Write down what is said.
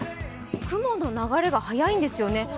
雲の流れが速いんですよね。